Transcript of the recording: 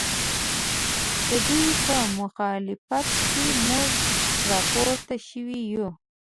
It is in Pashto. ددوی په مخالفت کې موږ راپورته شوي یو